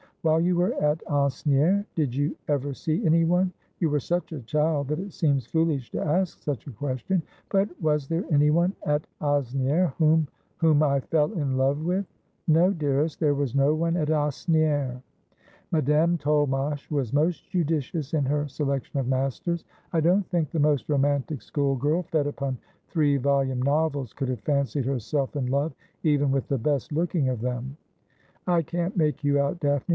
While you were at Asnieres, did you ever see anyone — you were such a child, that it seems foolish to ask such a question — but was there anyone at Asnieres whom '' Whom I fell in love with ? No, dearest, there was no one at Asnieres. Madame Tolmache was most judicious in her selection of masters. I don't think the most romantic school girl, fed upon three volume novels, could have fancied herself in love even with the best looking of them.' ' I can't make you out. Daphne.